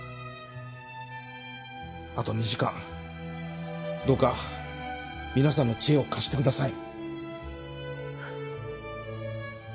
あと２時間どうか皆さんの知恵を貸してください。